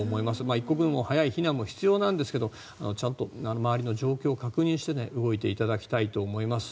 一刻も早い避難も必要なんですがちゃんと周りの状況を確認して動いていただきたいと思います。